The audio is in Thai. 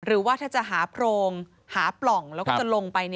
หรือว่าถ้าจะหาโพรงหาปล่องแล้วก็จะลงไป